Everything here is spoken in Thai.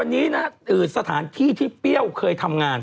วันนี้นะสถานที่ที่เปรี้ยวเคยทำงาน